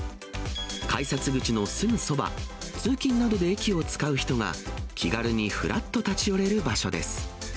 改札口のすぐそば、通勤などで駅を使う人が、気軽にふらっと立ち寄れる場所です。